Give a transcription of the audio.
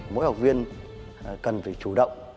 mỗi học viên cần phải chủ động